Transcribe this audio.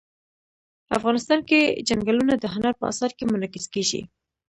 افغانستان کې چنګلونه د هنر په اثار کې منعکس کېږي.